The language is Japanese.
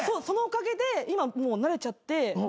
そのおかげで今慣れちゃって。